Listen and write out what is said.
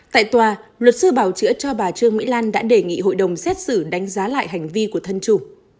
tại tòa luật sư bảo chữa cho bà trương mỹ lan đã đề nghị hội đồng xét xử đánh giá lại hành vi của thân chủ